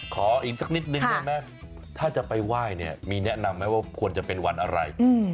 ขออีกสักนิดนึงได้ไหมถ้าจะไปไหว้เนี่ยมีแนะนำไหมว่าควรจะเป็นวันอะไร